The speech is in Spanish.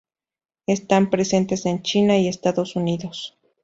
Están presentes en China y Estados Unidos.